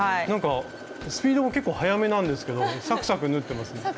なんかスピードも結構速めなんですけどサクサク縫ってますね。